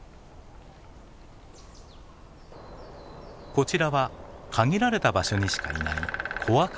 こちらは限られた場所にしかいないコアカゲラ。